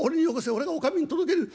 俺がお上に届ける』。